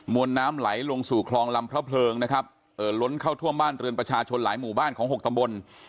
วนน้ำไหลลงสู่คลองลำพระเพลิงนะครับเอ่อล้นเข้าท่วมบ้านเรือนประชาชนหลายหมู่บ้านของหกตำบล